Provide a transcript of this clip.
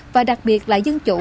và đặc biệt là dân chủ